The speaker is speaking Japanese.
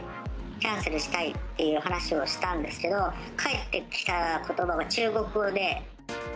キャンセルしたいっていう話をしたんですけど、返ってきたことばが中国語で。